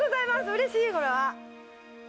うれしい、これは。